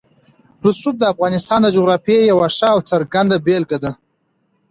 رسوب د افغانستان د جغرافیې یوه ښه او څرګنده بېلګه ده.